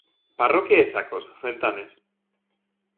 Parroquia de Sacos, Fentanes.